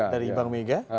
dari bank mega